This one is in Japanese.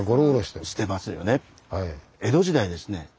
江戸時代ですね